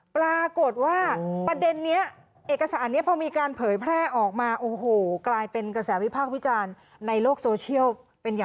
ปรากฏว่าประเด็นนี้เอกสารนี้พอ